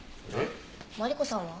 マリコさんは？